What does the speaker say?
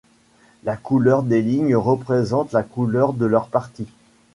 La couleur des lignes représente la couleur de leur parti.